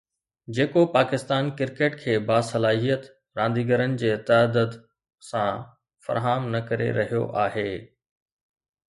جيڪو پاڪستان ڪرڪيٽ کي باصلاحيت رانديگرن جي تعدد سان فراهم نه ڪري رهيو آهي.